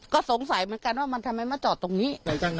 ก็สงสัยเหมือนกันว่ามันทำไมมาจอดตรงนี้